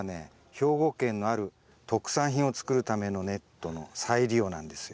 兵庫県のある特産品を作るためのネットの再利用なんですよ。